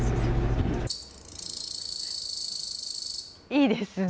いいですね。